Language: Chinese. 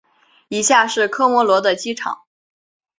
以下是科摩罗的机场。